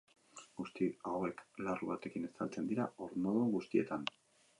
Guzti hauek larru batekin estaltzen dira ornodun guztietan.